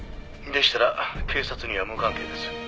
「でしたら警察には無関係です」